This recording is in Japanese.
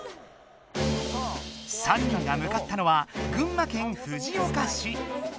３人がむかったのは群馬県藤岡市。